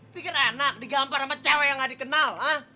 pikir enak digampar sama cewek yang gak dikenal ha